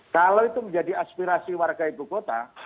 kalau itu menjadi aspirasi warga ibu kota